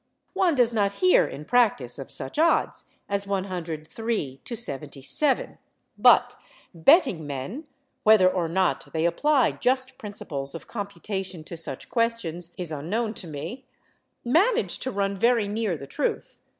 One does not hear in practice of such odds as 103 to 77. But betting men (whether or not they apply just principles of computation to such questions, is unknown to me) manage to run very near the truth.